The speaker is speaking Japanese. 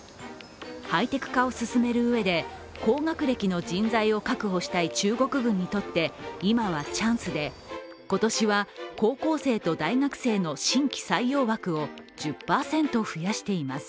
ハイテク化を進めるうえで高学歴の人材を確保したい中国軍にとって、今はチャンスで今年は高校生と大学生の新規採用枠を１０％増やしています。